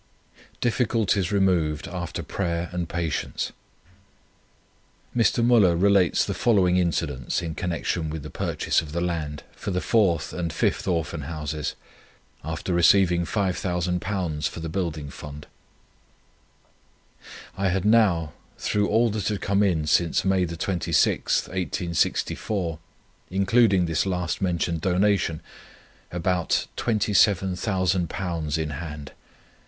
DIFFICULTIES REMOVED AFTER PRAYER AND PATIENCE. Mr. Müller relates the following incidents in connection with the purchase of the land for the Fourth and Fifth Orphan Houses, after receiving five thousand pounds for the Building Fund: "I had now, through all that had come in since May 26th, 1864, including this last mentioned donation, above Twenty Seven Thousand Pounds in hand.